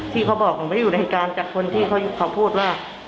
ที่เขาบอกหนูไม่ได้อยู่ในการจากคนที่เขาพูดว่า